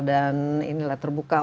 dan inilah terbuka